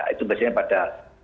itu biasanya pada